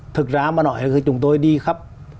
thực ra mà nói là chúng tôi đi khắp